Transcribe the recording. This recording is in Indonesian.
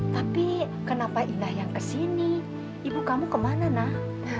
tapi kenapa ina yang ke sini ibu kamu ke mana nah